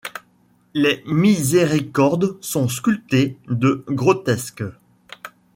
Les miséricordes sont sculptés de grotesques.